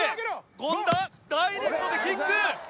権田ダイレクトでキック！